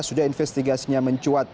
sudah investigasinya mencuat